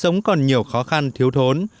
nhiều khó khăn thiếu thốn